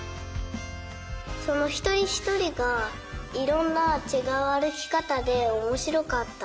そのひとりひとりがいろんなちがうあるきかたでおもしろかった。